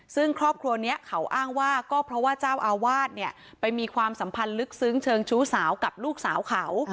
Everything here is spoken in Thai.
ซึ่งครอบครัวนี้เขาอ้างว่าก็เพราะว่าเจ้าอาวาสเนี่ยไปมีความสัมพันธ์ลึกซึ้งเชิงชู้สาวกับลูกสาวเขา